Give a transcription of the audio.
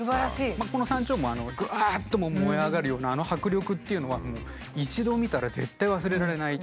この「山鳥毛」ぐわっと燃え上がるようなあの迫力っていうのはもう一度見たら絶対忘れられない。